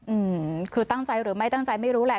อืมคือตั้งใจหรือไม่ตั้งใจไม่รู้แหละ